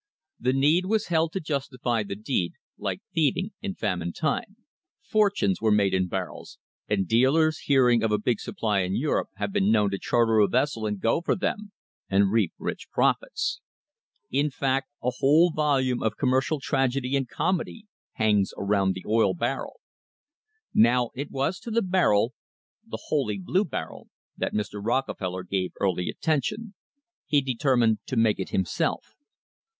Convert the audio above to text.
The need was held to justify the deed, like thieving in famine time. Fortunes were made in barrels, and dealers hearing of a big supply in Europe have been known to charter a vessel and go for them, and reap rich profits. In fact, a whole volume of commercial tragedy and comedy hangs around the oil barrel. Now it was to the barrel the "holy blue barrel" that Mr. Rockefeller gave early attention. He determined to make it himself.